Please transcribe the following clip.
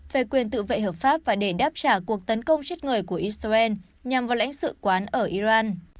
về quyền tự vệ hợp pháp và để đáp trả cuộc tấn công chết người của israel nhằm vào lãnh sự quán ở iran